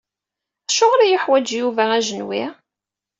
Acuɣer i yeḥwaǧ Yuba ajenwi?